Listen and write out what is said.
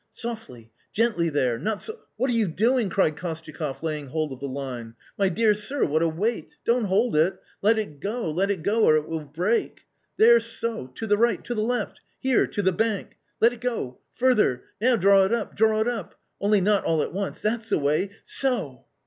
" Softly, gently there, not so .... what are you doing ?" cried Kostyakoff, laying hold of the line. " My dear sir, what a weight ; don't hold it ; let it go, let it go, or it will break. There so, to the right, to the left ; here, to the bank. Let it go ! further ; now draw it up, draw it up, only not all at once ; that's the way — so."